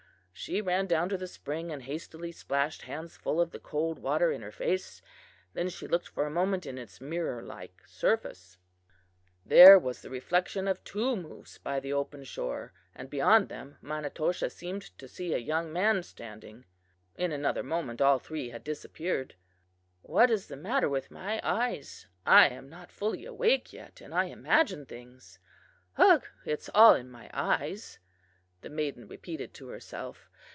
She ran down to the spring and hastily splashed handsful of the cold water in her face; then she looked for a moment in its mirror like surface. There was the reflection of two moose by the open shore and beyond them Manitoshaw seemed to see a young man standing. In another moment all three had disappeared. "'What is the matter with my eyes? I am not fully awake yet, and I imagine things. Ugh, it is all in my eyes,' the maiden repeated to herself.